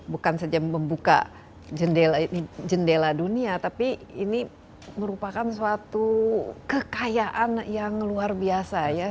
bukan saja membuka jendela dunia tapi ini merupakan suatu kekayaan yang luar biasa ya